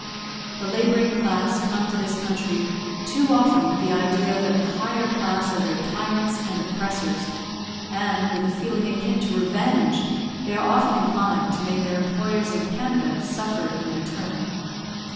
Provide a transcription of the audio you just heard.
The labouring class come to this country, too often with the idea that the higher class are their tyrants and oppressors; and, with a feeling akin to revenge, they are often inclined to make their employers in Canada suffer in their turn.